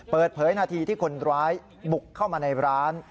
เปิดเผยนาทีที่คนร้ายบุกเข้ามาในร้าน